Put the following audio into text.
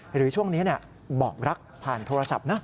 หรือช่วงนี้บอกรักผ่านโทรศัพท์นะ